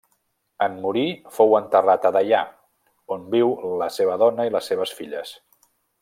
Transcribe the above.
En morir fou enterrat a Deià, on viu la seva dona i les seves filles.